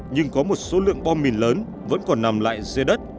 nhưng có một số lượng bom mìn lớn vẫn còn nằm lại dưới đất